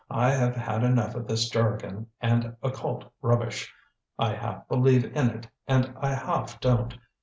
"I have had enough of this jargon and occult rubbish. I half believe in it, and I half don't.